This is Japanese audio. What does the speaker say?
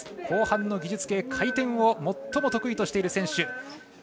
後半の技術系、回転を最も得意としている選手。